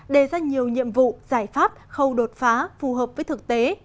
đề ra nhiều nhiệm vụ giải pháp khâu đột phá phù hợp với thực tế